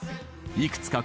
いくつか